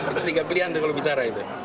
itu tiga pilihan kalau bicara itu